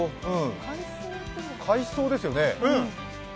海藻ですよね。